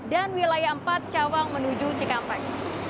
dan wilayah empat cawang menuju cikampek